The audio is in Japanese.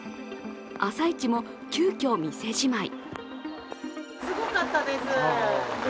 朝市も急きょ、店じまい。